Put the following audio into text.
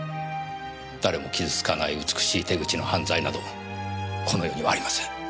誰も傷つかない美しい手口の犯罪などこの世にはありません。